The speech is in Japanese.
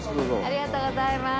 ありがとうございます。